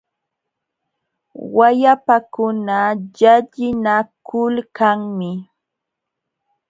Wayapakuna llallinakulkanmi.